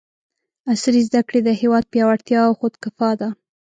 عصري زده کړې د هېواد پیاوړتیا او خودکفاء ده!